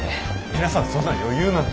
皆さんそんな余裕なんて。